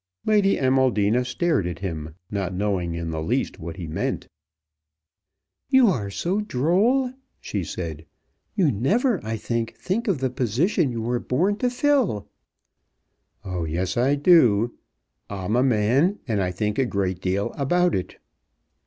Lady Amaldina stared at him, not knowing in the least what he meant. "You are so droll," she said. "You never, I think, think of the position you were born to fill." "Oh yes, I do. I'm a man, and I think a great deal about it."